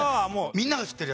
みんなが知ってるやつ。